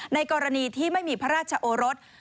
ในกรณีที่ไม่มีพระราชโอรส